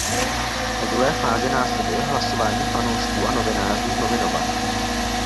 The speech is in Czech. Ve druhé fázi následuje hlasování fanoušků a novinářů z nominovaných.